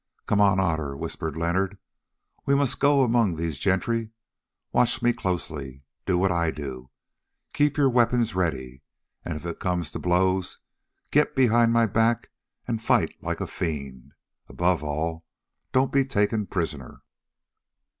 "Come on, Otter," whispered Leonard, "we must go among these gentry. Watch me closely, do what I do, keep your weapons ready, and if it comes to blows, get behind my back and fight like a fiend. Above all, don't be taken prisoner."